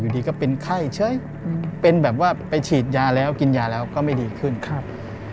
ดีก็เป็นไข้เฉยอืมเป็นแบบว่าไปฉีดยาแล้วกินยาแล้วก็ไม่ดีขึ้นครับ